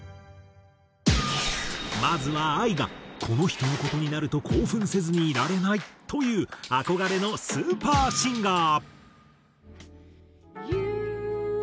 まずはＡＩがこの人の事になると興奮せずにいられないという憧れのスーパーシンガー。